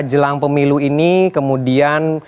jelang pemilu ini kemudian